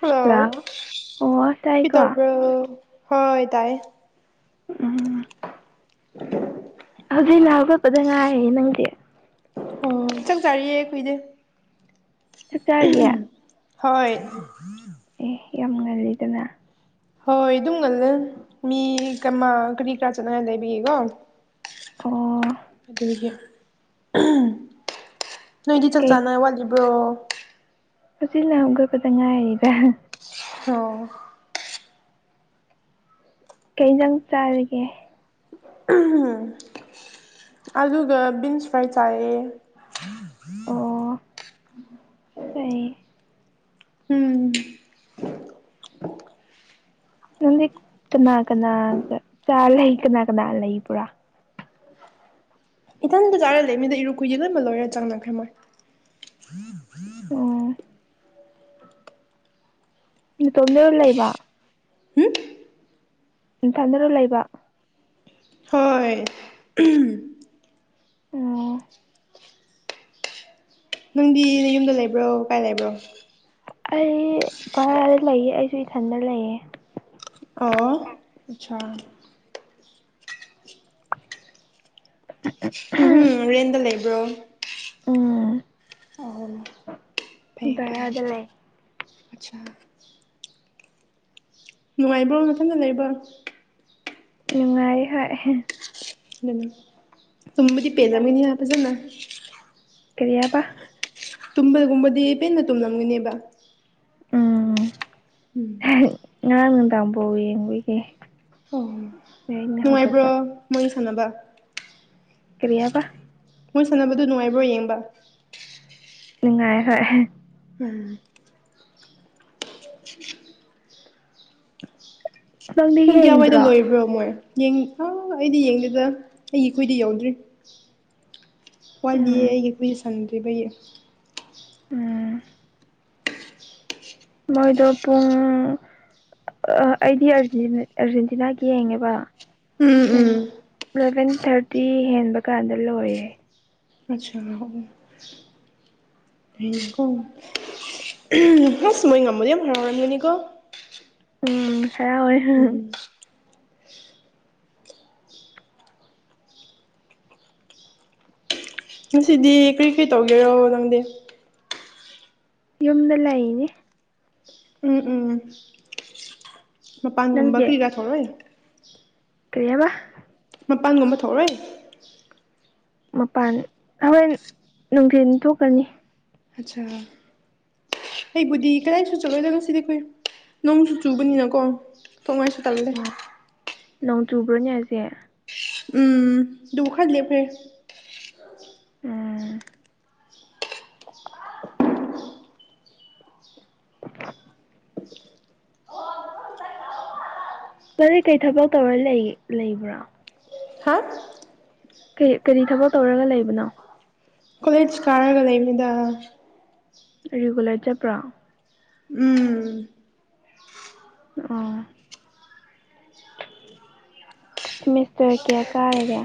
hello ꯑꯣ ꯀ ꯇꯥꯏꯀꯣ ꯇꯣꯕꯣ ꯍꯣꯏ ꯇꯥꯏ ꯎꯝ ꯍꯧ ꯂꯒꯠꯄꯗ ꯉꯥꯏꯔꯌꯦ ꯅꯪꯗꯤ ꯑꯣ ꯆꯪ ꯆꯥꯔꯤꯌꯦ ꯑꯩꯨꯏꯗꯦ ꯆꯥꯛ ꯆꯥꯔꯤꯌꯦ ꯍꯣꯏ ꯑꯦ ꯌꯥꯝ ꯉꯜꯂꯤꯗꯅ ꯍꯣꯏ ꯑꯗꯨꯝ ꯉꯜꯂ ꯃꯤ ꯀꯃ ꯀꯔꯤ ꯀꯔꯥ ꯆꯠꯅꯉꯥꯏ ꯂꯩꯕꯤꯒꯦꯀꯣ ꯑꯣ ꯅꯣꯏꯗꯤ ꯆꯥꯛ ꯀꯩ ꯆꯥꯅ ꯋꯥꯠꯂꯤꯕ꯭ꯔꯣ ꯍꯧꯖꯤꯅꯒꯕꯗ ꯉꯥꯏꯔꯤꯗ ꯑꯣ ꯀꯩ ꯆꯪ ꯆꯥꯔꯤꯒꯦ ꯝ ꯑꯗꯨꯒ ꯕꯤꯟꯁ ꯐ꯭ꯔꯥꯏ ꯆꯥꯏꯌꯦ ꯑꯣ ꯇ ꯎꯝ ꯅꯪꯗꯤ ꯀꯅꯥ ꯀꯅꯥ ꯆꯥ ꯂꯩ ꯀꯅꯥ ꯀꯅꯥ ꯂꯩ ꯄꯨꯔꯥ ꯏꯈꯤꯇꯟꯗ ꯆꯥꯔꯂꯦ ꯃꯤꯗ ꯏꯔꯨ ꯀꯨꯏꯌꯦꯦ ꯂꯕ ꯂꯣꯏꯔꯦ ꯆꯪꯅꯈ꯭ꯔꯦꯃꯣꯏ ꯑꯣ ꯇꯣꯝꯗꯔ ꯂꯩꯕ ꯝꯊꯥꯗꯔꯨ ꯂꯩꯕ ꯍꯣꯏ ꯎꯥ ꯅꯪꯗꯤ ꯅ ꯌꯨꯝꯗ ꯂꯩꯕ꯭ꯔꯣ ꯀꯥꯏ ꯂꯩꯕ꯭ꯔꯣ ꯑꯩ ꯚꯔꯥꯗ ꯂꯩꯌꯦ ꯑꯩꯁꯨ ꯏꯊꯟꯗ ꯂꯩꯌꯦ ꯑꯣ ꯑꯆꯥꯥ ꯎꯝꯝ ꯔꯦꯟꯗ ꯂꯩꯕ꯭ꯔꯣ ꯎꯥ ꯐ ꯐ ꯅꯨꯡꯉꯥꯏꯕ꯭ꯔꯣ ꯃꯊꯟꯗ ꯂꯩꯕ꯭ꯔꯣ ꯅꯨꯡꯉꯥꯏ ꯍꯥꯏꯣꯏ ꯗꯤ ꯄꯦꯖꯃꯤꯅꯤ ꯍꯥꯄꯖꯅ ꯀꯔꯤꯕ ꯇꯨꯝꯕꯒꯨꯝꯕꯗꯤ ꯄꯦꯟꯅ ꯇꯨꯝꯂꯝꯒꯅꯦꯕ ꯎꯝ ꯎꯝ ꯉꯔꯥꯡ ꯅꯨꯡꯗꯥꯡꯐꯧ ꯌꯦꯡꯕꯤꯒꯦ ꯑꯣ ꯅꯨꯡꯉꯥꯏꯕ꯭ꯔꯣ ꯃꯣꯏ ꯁꯥꯟꯅꯕ ꯀ꯭ꯔꯤꯌꯥꯕ ꯃꯣꯏ ꯁꯥꯟꯅꯕꯗꯨ ꯅꯨꯡꯉꯥꯏꯕ꯭ꯔꯣ ꯌꯦꯡꯕ ꯅꯨꯡꯉꯥꯏ ꯍꯣꯏ ꯎꯝ ꯅꯪꯗꯤ ꯄꯨꯡ ꯀꯌꯥꯋꯥꯏꯗ ꯌꯦꯡꯗ꯭ꯔꯣ ꯂꯣꯏꯕ꯭ꯔꯣ ꯃꯣꯏ ꯑꯥ ꯑꯩꯗꯤ ꯌꯦꯡꯗꯦꯗ ꯑꯩꯒꯤꯈꯣꯏꯗꯤ ꯌꯧꯗ꯭ꯔꯤ ꯋꯥꯠꯂꯤꯌꯦ ꯎꯝ ꯑꯩꯒꯤ ꯐꯤ ꯁꯪꯗ꯭ꯔꯤꯕꯩꯌꯦ ꯎꯝ ꯃꯣꯏꯗꯣ ꯄꯨꯡ ꯑꯥ ꯑꯩꯗꯤ ꯑꯔꯖꯦꯟꯇꯤꯅꯥꯒꯤ ꯌꯦꯡꯉꯦꯕ ꯎꯝ ꯄꯨꯡ ꯎꯝ ꯑꯦꯂꯥꯚꯦꯟ ꯊꯥꯔꯇꯤ ꯍꯦꯟꯕ ꯀꯥꯟꯗ ꯂꯣꯏꯌꯦꯦ ꯑꯆꯥꯥ ꯀꯣ ꯑꯁ ꯃꯣꯏ ꯉꯟꯟꯗꯤ ꯌꯥꯝ ꯉꯟꯕꯅꯤꯀꯣ ꯎꯝ ꯍꯔꯥꯎꯑꯦ ꯎꯝ ꯉꯁꯤꯗꯤ ꯀꯔꯤꯀꯔꯤ ꯇꯧꯒꯦꯔꯣ ꯅꯪꯗꯤ ꯌꯨꯝꯗ ꯂꯩꯏꯅꯤ ꯎꯝ ꯎꯝ ꯃꯄꯥꯟꯒꯨꯝꯕ ꯀꯤꯔ ꯊꯣꯛꯂꯩ ꯀꯩꯌ‍ꯏꯕꯥ ꯃꯄꯥꯟꯒꯨꯝꯕ ꯊꯣꯛꯑꯥꯔꯣꯏ ꯃꯄꯥꯟ ꯍꯣꯔꯦꯟ ꯅꯨꯡꯊꯤꯟ ꯊꯣꯛꯀꯅꯤ ꯑꯆꯥ ꯑꯩꯕꯨꯗꯤ ꯀꯗꯥꯏꯁꯨ ꯆꯠꯂꯣꯏꯗ ꯉꯁꯤꯗꯤ ꯑꯩꯈꯣꯏ ꯅꯣꯡꯁꯨ ꯆꯨꯕꯅꯤꯅꯀꯣ ꯊꯣꯛꯉꯩꯁꯨ ꯇꯜꯂ ꯅꯣꯡ ꯆꯨꯕ꯭ꯔꯣꯅꯦ ꯍꯖꯤꯛ ꯎꯝ ꯗꯨꯈꯔ ꯂꯦꯄꯈꯔ꯭ꯦ ꯎꯝ ꯅꯥꯪꯗ ꯀꯩ ꯊꯕꯛ ꯇꯧꯔ ꯂꯩ ꯂꯩꯕ꯭ꯔꯥ ꯍꯥ ꯀꯔꯤ ꯀꯔꯤ ꯊꯕꯛ ꯇꯧꯔꯒ ꯂꯩꯕꯅꯣ ꯀꯣꯂꯦꯖ ꯀꯥꯔꯒ ꯂꯩꯕꯅꯤꯗ ꯔꯤꯒꯨꯂꯔ ꯆꯠꯄ꯭ꯔꯣ ꯎꯝ ꯑꯣ ꯁꯦꯃꯦꯁꯇꯔ ꯀꯌꯥ ꯀꯔꯒꯦ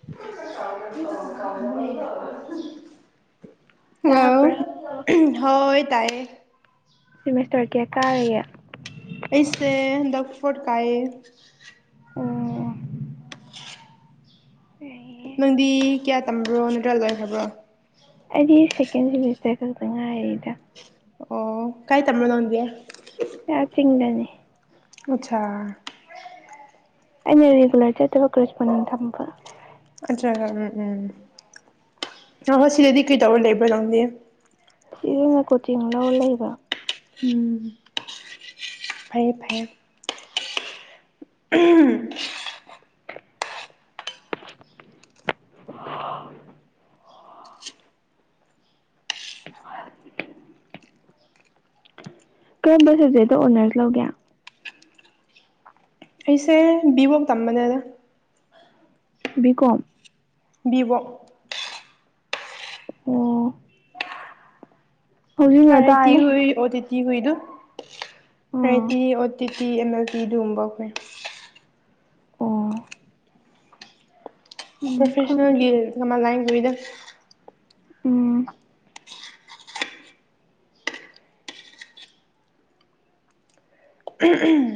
[unintelligible] ꯋꯥꯎ ꯇꯥꯕꯔꯥ ꯍꯣꯏ ꯇꯥꯏꯌꯦ ꯁꯤꯃꯦꯁꯇꯔ ꯀꯌꯥ ꯀꯔꯒꯦ ꯑꯩꯁꯦ ꯍꯟꯗꯛ ꯐꯑꯣꯔꯊ ꯀꯥꯌꯦ ꯑꯣ ꯑꯍꯦ ꯅꯪꯗꯤ ꯀꯌꯥ ꯇꯝꯕ꯭ꯔꯣ ꯅꯠꯇ꯭ꯔꯥ ꯂꯣꯏꯈ꯭ꯔꯕ꯭ꯔꯣ ꯑꯩꯗꯤ ꯁꯀꯦꯟ ꯁꯦꯃꯦꯁꯇꯔ ꯇꯩꯗ ꯉꯥꯏꯔꯤꯗ ꯑꯣ ꯀꯥꯏ ꯇꯝꯕꯅꯣ ꯅꯪꯗꯤ ꯑꯥ ꯆꯤꯡꯗꯅꯦ ꯑꯆꯥꯥ ꯑꯩꯅ ꯔꯦꯒꯨꯂꯔ ꯆꯠꯇꯕ ꯀꯣꯔꯦꯁꯄꯣꯟꯗꯤꯡ ꯊꯝꯕ ꯅꯠꯇ꯭ꯔꯒ ꯅꯦ ꯎꯝ ꯍꯣꯏ ꯁꯤꯗꯗꯤ ꯀꯩꯇꯧꯔ ꯂꯩꯕ꯭ꯔꯥ ꯅꯪꯗꯤ ꯐꯨꯔꯤꯠ ꯑꯣꯏꯅ ꯀꯣꯆꯤꯡ ꯂꯧꯔ ꯂꯩꯕ ꯎꯝ ꯐꯩꯌ‌ꯦ ꯐꯩꯌ‌ꯦ ꯎꯝ [unintelligible] ꯀꯔꯝꯕ ꯁꯕꯖꯦꯛꯇ ꯍꯣꯅꯔꯁ ꯂꯧꯒꯦ ꯑꯩꯁꯦ ꯚꯕꯣꯛ ꯇꯝꯕꯅꯦꯗ ꯕꯤ ꯀꯣꯝ ꯕꯤ ꯕꯣꯛ ꯑꯣ ꯍꯧꯖꯤꯛꯅ ꯑꯔ ꯑꯥꯏ ꯇꯤ ꯇꯥꯏ ꯑꯨꯏ ꯑꯣꯗꯤꯠ ꯇꯤ ꯍꯨꯏꯗꯨ ꯍꯥꯏ O T O T T M L T ꯑꯗꯨꯒꯨꯝꯕ ꯑꯩꯈꯨꯣꯏ ꯑꯣ ꯎꯝ ꯈꯪꯗ꯭ꯔꯦ ꯄ꯭ꯔꯣꯐꯦꯁꯅꯦꯜꯒꯤ ꯑꯩꯗꯤ ꯃꯜ ꯂꯥꯏꯟꯒꯤꯗ ꯎꯝ [unintelligible]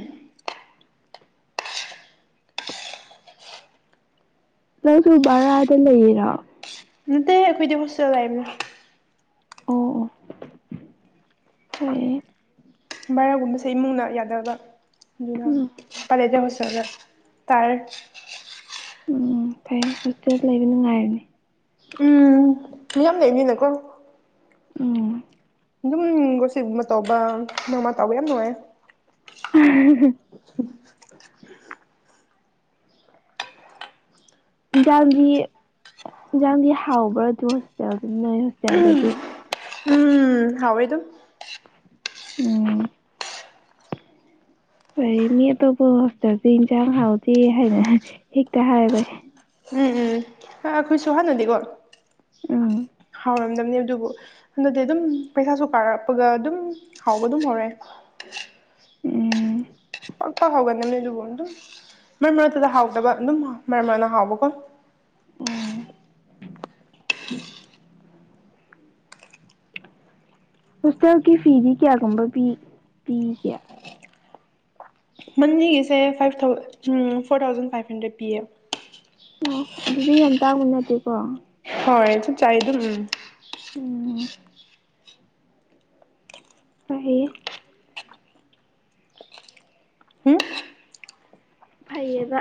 ꯅꯪꯁꯨ ꯕꯔꯥꯗ ꯂꯩꯌꯤꯔꯣ ꯅꯠꯇꯦ ꯑꯩꯈꯣꯏꯗꯤ ꯍꯣꯁꯇꯦꯜ ꯂꯩꯕꯅꯤ ꯑꯣ ꯑꯣ ꯍꯣꯏ ꯚꯔꯥꯒꯨꯝꯕꯁꯦ ꯏꯃꯨꯡꯅ ꯌꯥꯗꯕ ꯑꯗꯨꯅ ꯎꯝ [unintelligible] [unintelligible] ꯇꯥꯔꯦ ꯎꯝ ꯐꯩ ꯍꯣꯁꯇꯦꯜ ꯂꯩꯕ ꯅꯨꯡꯉꯥꯏꯕꯅꯤ ꯎꯝ ꯃꯤꯌꯥꯝ ꯂꯩꯕꯅꯤꯅꯀꯣ ꯎꯝ ꯑꯗꯨꯝ ꯒꯣꯁꯤꯒꯨꯝꯕ ꯇꯧꯕ ꯑꯃ ꯑꯃ ꯇꯧꯕ ꯌꯥꯝ ꯅꯨꯡꯉꯥꯏ [unintelligible] ꯏꯟꯖꯥꯡꯗꯤ ꯏꯟꯖꯥꯡꯗꯤ ꯍꯥꯎꯕ꯭ꯔꯥ ꯑꯗꯨ ꯍꯣꯁꯇꯦꯜꯗ ꯅꯣꯏ ꯍꯣꯁꯇꯦꯜꯗꯗꯤ ꯎꯝ ꯎꯝ ꯍꯥꯎꯏ ꯑꯗꯨꯝ ꯎꯝ ꯑꯩꯩ ꯃꯤ ꯑꯇꯣꯞꯄ ꯍꯣꯁꯄꯤꯇꯦꯜꯗꯤ ꯏꯟꯖꯥꯡ ꯍꯥꯎꯇꯦ ꯍꯥꯏꯅ ꯍꯦꯛꯇ ꯍꯥꯏꯕ ꯎꯝ ꯎꯝ ꯍꯣꯏ ꯑꯩꯈꯣꯏꯁꯨ ꯍꯥꯟꯅꯗꯤꯀꯣ ꯎꯝ ꯍꯥꯎ ꯅꯝꯗꯝꯅꯤ ꯑꯗꯨꯕꯨ ꯍꯟꯗꯛꯇꯤ ꯑꯗꯨꯝ ꯄꯩꯁꯥꯁꯨ ꯀꯥꯔꯛꯄꯒ ꯑꯗꯨꯝ ꯍꯥꯎꯕ ꯑꯗꯨꯝ ꯍꯧꯔꯦ ꯎꯝ ꯄꯥꯛꯇ ꯍꯥꯎꯒꯟꯗꯝꯅꯦ ꯑꯗꯨꯕꯨ ꯑꯗꯨꯝ ꯃꯔꯛ ꯃꯔꯛꯇꯨꯗ ꯍꯥꯎꯇꯕ ꯑꯗꯨꯝ ꯃꯔꯛ ꯃꯔꯛꯅ ꯍꯥꯎꯕꯀꯣ ꯎꯝ ꯍꯣꯁꯇꯦꯜꯒꯤ ꯐꯤꯗꯤ ꯀꯌꯥꯒꯨꯝꯕ ꯄꯤ ꯄꯤꯒꯦ ꯃꯟꯂꯤꯒꯤꯁꯦ ꯐꯥꯏꯚ ꯊꯥꯎ ꯐꯣꯔ ꯊꯥꯎꯖꯟ ꯐꯥꯏꯚ ꯍꯟꯗ꯭ꯔꯦꯠ ꯄꯤꯌꯦ ꯑꯣ ꯑꯗꯨꯗꯤ ꯌꯥꯝ ꯇꯥꯡꯕ ꯅꯠꯇꯦꯀꯣ ꯍꯣꯏ ꯆꯞ ꯆꯥꯏ ꯑꯗꯨꯝ ꯎꯝ ꯎꯝ ꯐꯩꯌꯦ ꯎꯝ ꯐꯩꯌꯦꯕ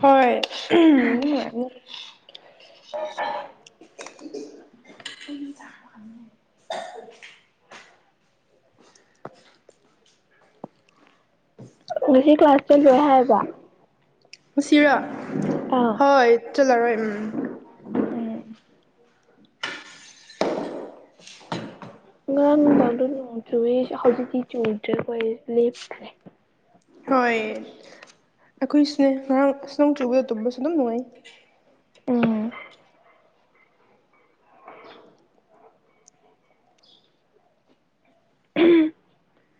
ꯍꯣꯏ [unintelligible] [unintelligible] [unintelligible] ꯉꯁꯤ ꯀ꯭ꯂꯥꯁ ꯆꯠꯂꯣꯏ ꯍꯥꯏꯕ ꯉꯁꯤꯔꯣ ꯑꯥ ꯍꯣꯏ ꯆꯠꯂꯔꯣꯏ ꯎꯝ ꯎꯝ ꯉꯔꯥꯡ ꯅꯨꯡꯗꯥꯡꯗꯣ ꯅꯣꯡ ꯆꯨꯏ ꯍꯧꯖꯤꯛꯇꯤ ꯆꯨꯗ꯭ꯔꯦ ꯈꯣꯏ ꯂꯦꯞꯈ꯭ꯔꯦ ꯍꯣꯏ ꯑꯩꯈꯣꯏꯁꯨꯅꯦ ꯉꯔꯥꯡ ꯑꯁ ꯅꯣꯡ ꯆꯨꯕꯗꯨ ꯇꯨꯝꯕꯁꯨ ꯑꯗꯨꯝ ꯅꯨꯡꯉꯥꯏ ꯎꯝ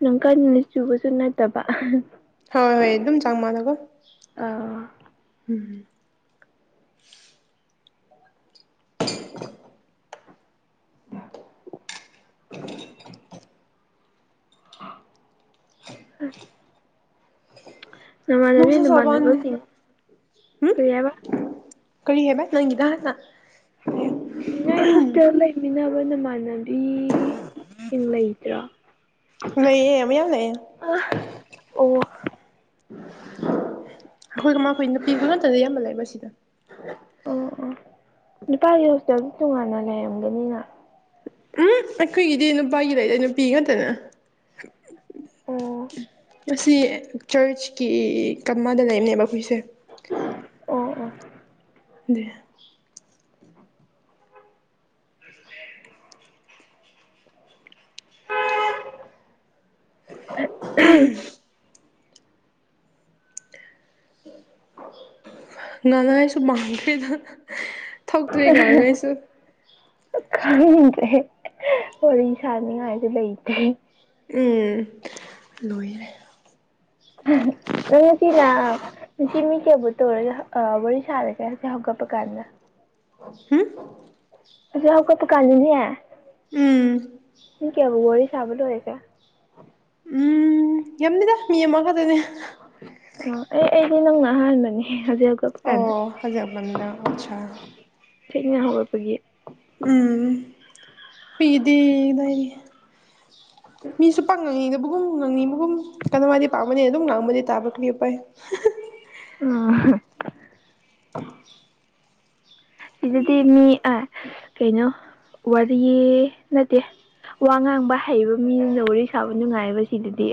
ꯌꯥꯝ ꯀꯟꯅꯗꯤ ꯆꯨꯕꯁꯨ ꯅꯠꯇꯕ ꯍꯣꯏ ꯍꯣꯏ ꯑꯗꯨꯝ ꯆꯥꯡ ꯃꯥꯗꯀꯣ ꯑꯥ ꯎꯝ [unintelligible] ꯅꯃꯥꯟꯅꯕꯤ ꯅꯨꯡꯁꯥ ꯁꯥꯕ ꯅꯃꯥꯟꯅꯕꯁꯤꯡ ꯀꯥꯟꯗꯗꯤ ꯎꯝ ꯀꯔꯤ ꯍꯥꯏꯕ ꯀꯔꯤ ꯍꯥꯏꯕ ꯅꯪꯒꯤꯗꯣ ꯍꯥꯟꯅ ꯅ ꯍꯁꯇꯦꯕ ꯂꯩꯦ ꯃꯤꯟꯅꯕ ꯅꯃꯥꯟꯅꯕꯤꯁꯤꯡ ꯂꯩꯇ꯭ꯔꯥ ꯂꯩ ꯑꯦ ꯃ ꯌꯥꯉ ꯑ ꯑꯣ ꯑꯩꯈꯣꯏꯒꯃꯣꯏ ꯅꯨꯄꯤꯒꯤ ꯉꯇꯗꯤ ꯌꯥꯝꯕ ꯂꯩ ꯃꯁꯤꯗ ꯑꯣ ꯑꯣ ꯅꯨꯄꯥꯒꯤ ꯍꯣꯁꯇꯦꯜꯗ ꯇꯣꯉꯥꯟꯅ ꯂꯩꯔꯝꯒꯅꯤꯅ ꯎꯝ ꯑꯩꯈꯣꯏꯒꯤꯗꯤ ꯅꯨꯄꯥꯒꯤ ꯂꯩꯗ ꯅꯨꯄꯤ ꯉꯥꯛꯇꯅ ꯑꯣ ꯑꯁꯤ ꯆꯔꯆꯀꯤ ꯀꯃꯗ ꯂꯩꯕꯅꯦꯕ ꯑꯩꯈꯣꯏꯁꯦ ꯑꯣ ꯑꯣ ꯍ ꯑꯗꯨ ꯎꯝ ꯉꯂꯁꯨꯃꯥꯡꯒꯦꯗ ꯊꯧꯇ꯭ꯔꯦ ꯉꯥꯡꯉꯩꯁꯨ ꯈꯁꯦ ꯋꯥꯔꯤ ꯁꯥꯅꯤꯡꯉꯥꯏꯁꯨꯦ ꯂꯩꯇꯦ ꯎꯝ ꯂꯣꯏꯔꯦ ꯎꯁꯤꯂ ꯁꯤ ꯃꯤ ꯀꯌꯥꯕꯨ ꯇꯧꯔꯒ ꯋꯥꯔꯤ ꯁꯥꯔꯒꯦꯁꯦ ꯍꯧꯒꯠꯄ ꯀꯥꯟꯗ ꯍꯝ ꯑꯗꯨꯍ ꯑꯩꯣꯏ ꯄꯀꯥꯟꯅꯤ ꯍꯥꯏ ꯎꯝ ꯀꯌꯥꯕꯨ ꯋꯥꯔꯤ ꯁꯕꯗꯔꯁꯦ ꯎꯝ ꯌꯥꯝꯅꯤꯗ ꯃꯤ ꯑꯃ ꯈꯛꯇꯣꯏꯅꯦ ꯑꯣ ꯑꯦ ꯑꯩꯗꯤ ꯅꯪꯅ ꯑꯍꯥꯟꯕꯅꯦ ꯍꯧꯖꯤꯛ ꯍꯧꯖꯤꯛ ꯍꯧꯖꯛꯂꯝꯗꯅ ꯑꯠꯆꯥꯥ ꯊꯦꯡꯅ ꯍꯧꯒꯠꯄꯒꯤ ꯎꯝ ꯐꯤꯗꯤꯗꯏꯔꯤ ꯃꯤꯁꯨ ꯄꯪꯉꯪꯤꯗꯕꯕꯨꯒꯨꯝ ꯉꯪꯉꯤꯕꯒꯨꯝ ꯀꯩꯅꯣꯋꯥꯏꯗꯤ ꯄꯥꯝꯃꯅꯤ ꯑꯗꯨꯝ ꯉꯥꯡꯕꯗꯤ ꯇꯥꯕ ꯀ꯭ꯔꯤ ꯎꯄꯥꯏ ꯑ ꯊ ꯁꯤꯗꯗꯤ ꯃꯤ ꯑ ꯀꯩꯅꯣ ꯋꯥꯔꯤ ꯅꯠꯇꯦ ꯋꯥ ꯉꯥꯡꯕ ꯍꯩꯕ ꯃꯤꯁꯤꯡꯗ ꯋꯥꯔꯤ ꯁꯥꯕ ꯅꯨꯡꯉꯥꯏꯑꯕ ꯁꯤꯗꯗꯤ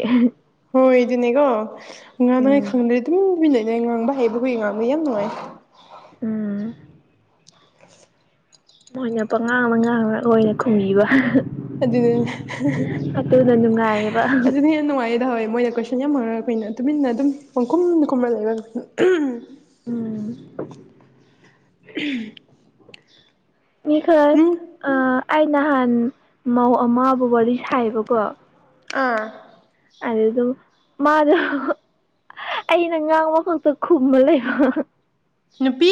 ꯍꯣꯏ ꯑꯗꯨꯅꯦꯀꯣ ꯉꯥꯡꯅꯉꯥꯏ ꯎꯝ ꯈꯪꯗ꯭ꯔꯗꯤ ꯑꯗꯨꯝꯃꯤꯟꯅꯩꯗ ꯉꯥꯡꯕ ꯍꯩꯕ ꯍꯏ ꯉꯥꯡꯕ ꯌꯥꯝ ꯅꯨꯡꯉꯥꯏ ꯎꯝ ꯃꯣꯏꯅ ꯄꯉꯥꯡꯅ ꯉꯥꯡꯕꯒ ꯑꯣꯏꯅ ꯈꯨꯝꯕꯤꯕ ꯑꯗꯨꯅꯦ ꯐꯠꯇ ꯅ ꯑꯗꯨ ꯉꯥꯏꯕ ꯌꯥꯝ ꯅꯨꯡꯉꯥꯏꯌꯦꯗ ꯍꯋꯦ ꯃꯣꯏꯗ ꯀꯣꯏꯁꯟ ꯌꯥꯝ ꯍꯧꯉꯛꯒ ꯀꯣꯏꯅ ꯇꯨꯃꯤꯟꯅ ꯑꯗꯨꯝ ꯄꯪꯈꯨꯝꯅ ꯈꯨꯝꯂ ꯂꯩꯔꯒ ꯎꯝ [unintelligible] ꯃꯤꯈꯜ ꯎꯝ ꯑꯩ ꯅꯍꯥꯟ ꯑꯃꯕꯨ ꯋꯥꯔꯤ ꯁꯥꯏꯕꯀꯣ ꯑꯥ ꯑꯗꯨ ꯑꯗꯨꯝ ꯃꯥꯗ ꯑꯩꯅ ꯉꯥꯡꯕ ꯈꯛꯇ ꯈꯨꯝꯕ ꯂꯩꯕ ꯅꯨꯄꯤ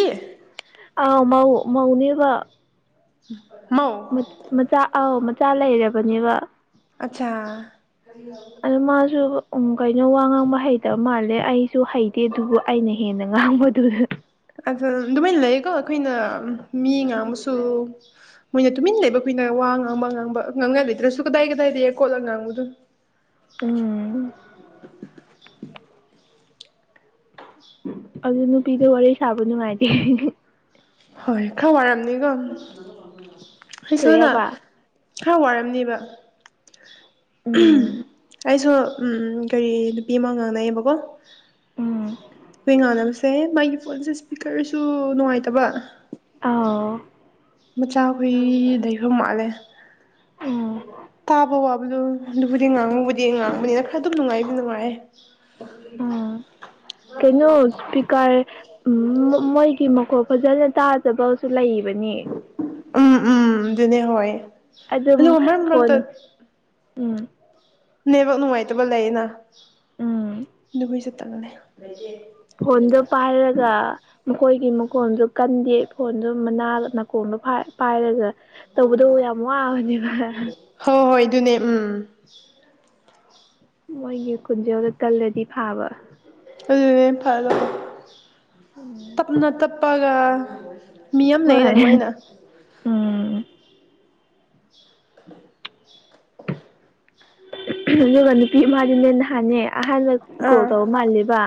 ꯑꯥꯎ ꯃꯅꯦꯕ ꯃꯑꯣ ꯃꯆꯥ ꯑꯥꯎ ꯃꯆꯥ ꯂꯩꯔꯕꯅꯦꯕ ꯑꯆꯥ ꯑ ꯃꯥꯁꯨ ꯎ ꯀꯩꯅꯣ ꯋꯥ ꯉꯥꯡꯕ ꯍꯩꯇꯕ ꯃꯥꯜꯂꯦ ꯑꯩꯁꯨ ꯍꯩꯇꯦ ꯑꯗꯨꯕꯨ ꯑꯩꯅ ꯍꯦꯟꯅ ꯉꯥꯡꯕꯗꯨ ꯑ ꯑꯗꯨꯃꯥꯏꯅ ꯂꯩꯀꯣ ꯑꯩꯈꯣꯏꯅ ꯃꯤ ꯉꯥꯡꯕꯁꯨ ꯃꯣꯏꯅ ꯇꯨꯃꯤꯟꯅ ꯂꯩꯕ ꯀꯨꯏꯅ ꯋꯥ ꯉꯥꯡꯕ ꯉꯥꯡꯕ ꯉꯥꯡꯅ ꯂꯩꯗ꯭ꯔꯁꯨ ꯀꯗꯥꯏ ꯀꯗꯥꯏ ꯂꯩꯔ ꯈꯣꯠꯂꯒ ꯉꯥꯡꯕꯗꯨꯣ ꯎꯝ ꯑꯗꯨ ꯅꯨꯄꯤꯗ ꯋꯥꯔꯤ ꯁꯥꯕ ꯅꯨꯡꯉꯥꯏꯇꯦ ꯍꯣꯏ ꯈꯔ ꯋꯥꯏꯔꯝꯅꯤꯀꯣ ꯀꯔꯤ ꯑꯩꯁꯅ ꯍꯥꯏꯕ ꯈꯔ ꯋꯥꯔꯝꯅꯦꯕ ꯎꯝ ꯑꯩꯁꯨ ꯎꯝ ꯎꯝ ꯀꯔꯤ ꯅꯨꯄꯤ ꯑꯃ ꯉꯥꯡꯅꯩꯌꯦꯕꯀꯣ ꯎꯝ ꯍꯣꯏ ꯉꯥꯟꯅꯕꯁꯦ ꯃꯥꯒꯤ ꯐꯣꯟꯁꯦ ꯁ꯭ꯄꯤꯀꯔꯁꯨ ꯅꯨꯡꯉꯥꯏꯇꯕ ꯑꯥ ꯃꯆꯥꯈꯣꯏ ꯂꯩꯐꯝ ꯃꯥꯜꯂꯦ ꯎꯝ ꯇꯥꯕ ꯋꯥꯕ ꯑꯗꯨ ꯑꯗꯨꯕꯨꯗꯤ ꯉꯥꯡꯉꯨꯕꯨꯗꯤ ꯉꯥꯡꯕꯅꯤꯅ ꯈꯔ ꯑꯗꯨꯝ ꯅꯨꯡꯉꯥꯏꯗꯤ ꯅꯨꯡꯉꯥꯏꯦ ꯎꯝ ꯀꯩꯅꯣ ꯁꯄꯤꯀꯔ ꯎꯝ ꯃꯣꯏꯒꯤ ꯃꯈꯣꯛ ꯐꯖꯅ ꯇꯥꯖꯕꯁꯨ ꯂꯩꯕꯅꯤ ꯎꯝ ꯎꯝ ꯑꯗꯨꯅꯦ ꯍꯣꯏ ꯑꯗꯨꯝ ꯑꯗꯨꯒ ꯃꯔꯛ ꯃꯔꯛꯇ ꯐꯣꯟ ꯎꯝ ꯅꯦꯕ ꯅꯨꯡꯉꯥꯏꯇꯕ ꯂꯩꯌꯦꯅ ꯎꯝ ꯑꯗꯨꯕꯨ ꯆꯠꯇꯅ ꯂꯩ ꯐꯣꯟꯗ ꯄꯥꯔꯂꯒ ꯃꯈꯣꯏꯒꯤ ꯃꯈꯣꯟꯁꯨ ꯀꯟꯗꯦ ꯐꯣꯟꯁꯨ ꯃꯅꯥ ꯅꯥꯀꯣꯡꯗꯣ ꯐꯥꯏ ꯄꯥꯏꯔꯒ ꯇꯧꯕꯗꯕꯨ ꯌꯥꯝ ꯋꯥꯕꯅꯦꯕ ꯍꯣꯏ ꯍꯣꯏ ꯑꯗꯨꯅꯦ ꯎꯝ ꯃꯣꯏꯒꯤ ꯀꯟꯖꯦꯜꯗ ꯇꯜꯂꯗꯤ ꯐꯥꯕ ꯑꯗꯨꯅꯦ ꯐꯔ ꯎꯝ ꯇꯞꯅ ꯇꯞꯄꯒ ꯃꯤ ꯑꯃ ꯂꯩꯅ ꯍꯣꯏ ꯑꯗꯨꯃꯥꯏꯅ ꯎꯝ [inaudible] ꯑꯗꯨꯒ ꯅꯨꯄꯤ ꯃꯥꯗꯤꯅꯦ ꯅꯍꯥꯟꯅꯦ ꯑꯍꯥꯟꯕ ꯀꯣꯜ ꯑꯥ ꯇꯧꯕ ꯃꯥꯜꯂꯦꯕ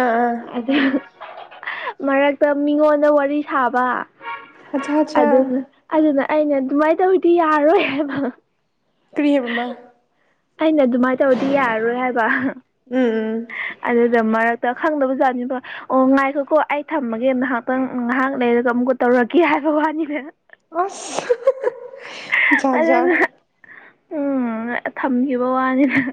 ꯑꯥ ꯑꯥ ꯑꯗꯨ ꯃꯔꯛꯇ ꯃꯤꯉꯣꯟꯗ ꯋꯥꯔꯤ ꯁꯥꯕ ꯑꯠꯆꯥ ꯑꯠꯆꯥ ꯑꯗꯨꯅ ꯑꯗꯨꯅ ꯑꯩꯅ ꯑꯗꯨꯃꯥꯏꯅ ꯇꯧꯗꯤ ꯌꯥꯔꯣꯏ ꯍꯥꯏꯕ ꯀ꯭ꯔꯤꯌꯕꯃ ꯑꯩꯅ ꯑꯗꯨꯃꯥꯏꯅ ꯇꯧꯕꯗꯤ ꯌꯥꯔꯔꯣꯏ ꯍꯥꯏꯕ ꯎꯝꯝ ꯎꯝ ꯑꯗꯨꯗ ꯃꯔꯛꯇ ꯈꯪꯗꯕꯖꯥꯠꯅꯤꯕ ꯑꯣ ꯉꯥꯏꯈꯣꯀꯣ ꯑꯩ ꯊꯝꯃꯒꯦ ꯉꯍꯥꯛꯇꯪ ꯉꯥꯏꯍꯥꯛ ꯂꯩꯔꯒ ꯑꯃꯨꯛꯀ ꯇꯧꯔꯀꯦ ꯍꯥꯏꯕ ꯋꯥꯅꯤꯗꯅ ꯑꯁ ꯖꯥꯠ ꯑꯗꯨ ꯖꯥꯠ ꯑꯗꯨ ꯎꯝ ꯊꯝꯈꯤꯕ ꯋꯥꯅꯤꯅ